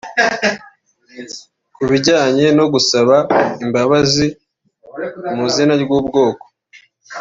Ku bijyanye no gusaba imbabazi mu izina ry’ubwoko